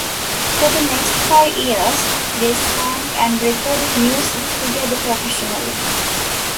For the next five years, they sang and recorded music together professionally.